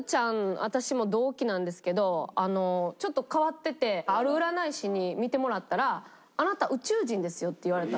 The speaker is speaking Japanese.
私も同期なんですけどちょっと変わっててある占い師に見てもらったら「あなた宇宙人ですよ」って言われたって。